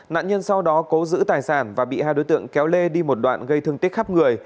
nạn nhân sau đó cố giữ tài sản và bị hai đối tượng kéo lê đi một đoạn gây thương tích khắp người